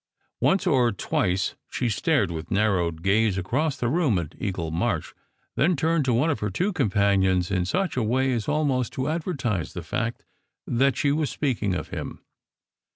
Once or twice she stared with narrowed gaze across the room at Eagle March, then turned to one of her two companions in such a way as almost to advertise the fact that she was speaking of him.